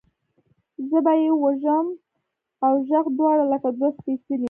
زه به یې وږم اوږغ دواړه لکه دوه سپیڅلي،